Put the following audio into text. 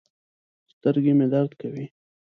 سترګې مې درد کوي